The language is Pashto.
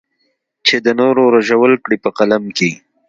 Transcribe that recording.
چې د نورو رژول کړې په قلم کې.